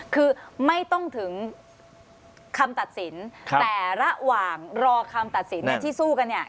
คือไม่ต้องถึงคำตัดสินแต่ระหว่างรอคำตัดสินเนี่ยที่สู้กันเนี่ย